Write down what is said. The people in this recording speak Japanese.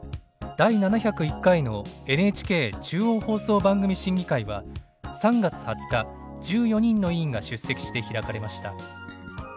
第７０１回のＮＨＫ中央放送番組審議会は３月２０日１４人の委員が出席して開かれました。